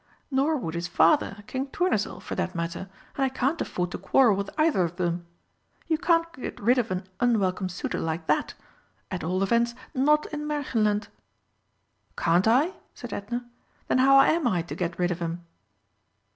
Nor would his father, King Tournesol, for that matter, and I can't afford to quarrel with either of them. You can't get rid of an unwelcome suitor like that at all events, not in Märchenland!" "Can't I?" said Edna. "Then how am I to get rid of him?"